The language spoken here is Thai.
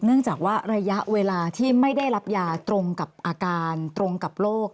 เนื่องจากว่าระยะเวลาที่ไม่ได้รับยาตรงกับอาการตรงกับโรค